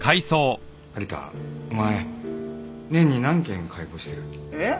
有田お前年に何件解剖してる？ええ？